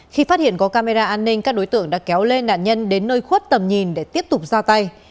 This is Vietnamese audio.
khi phát hiện có camera an ninh các đối tượng đã kéo lê nạn nhân đến nơi khuất tầm nhìn để tiếp tục ra tay